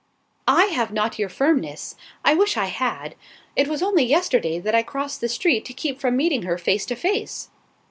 "I have not your firmness. I wish I had. It was only yesterday that I crossed the street to keep from meeting her face to face."